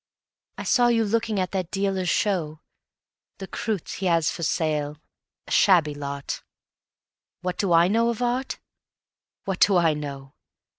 I saw you looking at that dealer's show, The croûtes he has for sale, a shabby lot What do I know of Art? What do I know